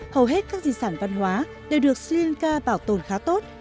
hầu hết các di sản văn hóa đều được sri lanka bảo tồn khá tốt